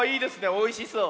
おいしそう。